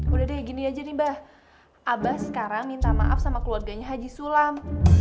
udah deh gini aja nih mbah abah sekarang minta maaf sama keluarganya haji sulam